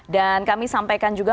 dan kami sampaikan juga